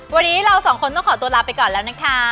วันนี้เราสองคนต้องขอตัวลาไปก่อนแล้วนะคะ